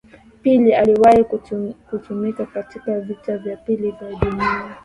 philip aliwahi kutumika katika vita vya pili vya dunia